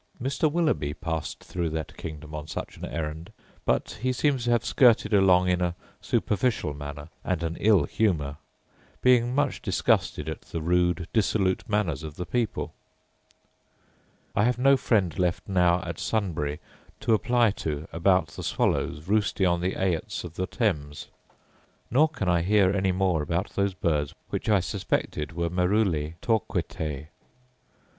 Mr. Willughby* passed through that kingdom on such an errand; but he seems to have skirted along in a superficial manner and an ill humour, being much disgusted at the rude, dissolute manners of the people. * See Ray's Travels, p. 466. I have no friend left now at Sunbury to apply to about the swallows roosting on the aits of the Thames: nor can I hear any more about those birds which I suspected were merulae torquatae.